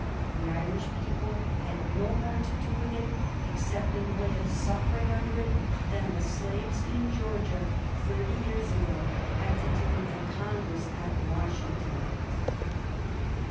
The Irish people had no more to do with it, except in the way of suflfering under it, than the slaves in Georgia thirty years ago had to do with the Congress at Washington.